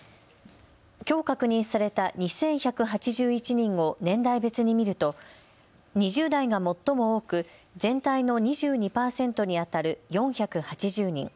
きょう確認された２１８１人を年代別に見ると２０代が最も多く全体の２２％にあたる４８０人。